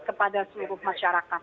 kepada seluruh masyarakat